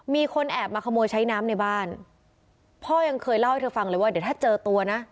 มีคนแอบมาขโมยใช้น้ำในบ้านพ่อยังเคยเล่าให้เธอฟังเลยว่าเดี๋ยวถ้าเจอตัวนะ